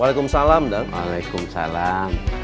waalaikumsalam dong waalaikumsalam